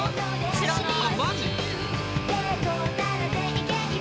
知らない。